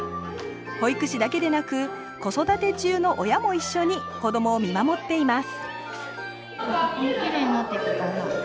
保育士だけでなく子育て中の親も一緒に子どもを見守っています